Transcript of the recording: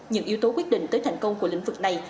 những yếu tố quyết định tới thành công của lĩnh vực này